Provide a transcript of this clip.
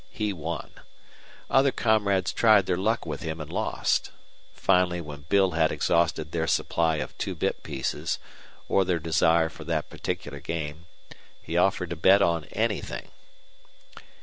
He won. Other comrades tried their luck with him and lost. Finally, when Bill had exhausted their supply of two bit pieces or their desire for that particular game, he offered to bet on anything.